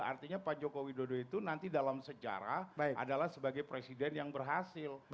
artinya pak joko widodo itu nanti dalam sejarah adalah sebagai presiden yang berhasil